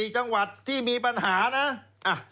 ๔จังหวัดที่มีปัญหานะ